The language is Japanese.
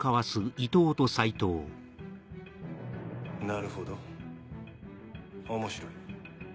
なるほど面白い。